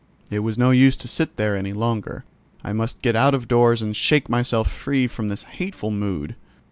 It was no use to sit there any longer: I must get out of doors and shake myself free from this hateful mood.